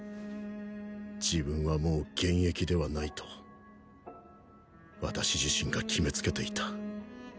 自分はもう現役ではないと私自身が決めつけていた。